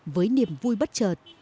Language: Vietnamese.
với niềm vui bất chợt